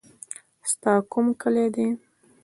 ستا کوم کلی دی.